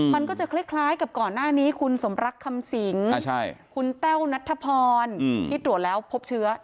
มันก็จะคล้ายกับก่อนหน้านี้คุณสมรักคำสิงคุณแต้วนัทธพรที่ตรวจแล้วพบเชื้อ